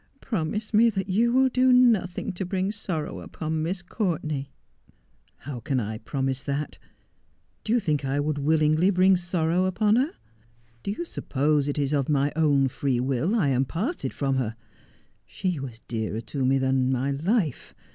' Promise me that you will do nothing to bring sorrow upon Miss Courtenay !'' How can I promise that ? Do you think I would willingly bring sorrow upon her ? Do you suppose it is of my own free will I am parted from her ? She was dearer to me than my life.